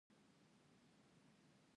هغه په مهمو کورسونو کې برخه اخلي.